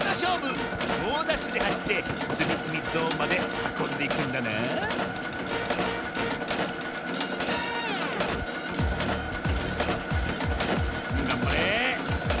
もうダッシュではしってつみつみゾーンまではこんでいくんだながんばれ。